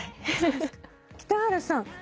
北原さん